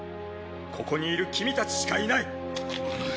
ここにいる君たちしかいない！